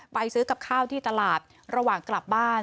ไปซื้อกับข้าวที่ตลาดระหว่างกลับบ้าน